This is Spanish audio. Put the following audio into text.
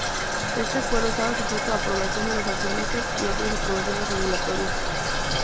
Este acuerdo estaba sujeto a aprobación de los accionistas y otras aprobaciones regulatorias.